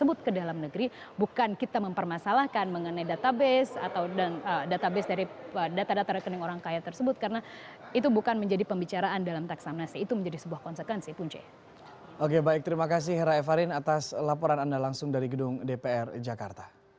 berita terkini dari dpr